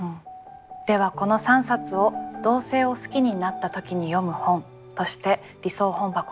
ではこの３冊を「同性を好きになった時に読む本」として理想本箱に収蔵いたします。